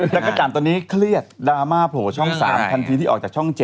จักรจันทร์ตอนนี้เครียดดราม่าโผล่ช่อง๓ทันทีที่ออกจากช่อง๗